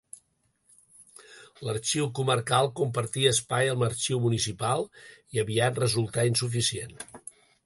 L'Arxiu Comarcal compartia espai amb l'Arxiu Municipal i aviat resultà insuficient.